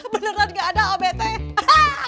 beneran gak ada obetnya